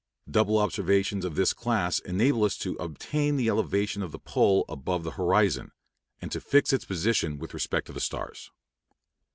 Double observations of this class enable us to obtain the elevation of the pole above the horizon, and to fix its position with respect to the stars.